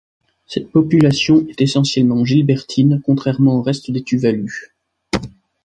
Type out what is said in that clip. Cette population est essentiellement gilbertine contrairement au reste des Tuvalu.